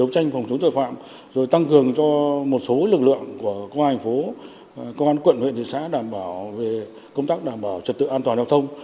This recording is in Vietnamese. công phòng chống tội phạm rồi tăng cường cho một số lực lượng của công an thành phố công an quận huyện thị xã đảm bảo về công tác đảm bảo trật tự an toàn giao thông